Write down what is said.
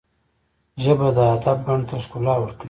ژبه د ادب بڼ ته ښکلا ورکوي